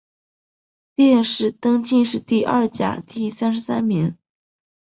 殿试登进士第二甲第三十三名。